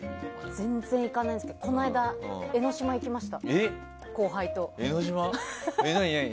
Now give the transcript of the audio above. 全然行かないですけどこの間、江の島行きました後輩と。